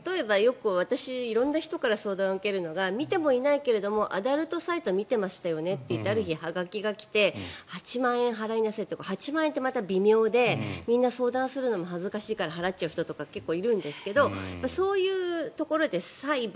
私、身近な人に相談されますが見てもないのにアダルトサイト見てましたよねと言ってある日はがきが来て８万円払いなさいって８万円ってまた微妙でみんな相談するのも恥ずかしいから払っちゃう人もいるんですがそういうところで裁判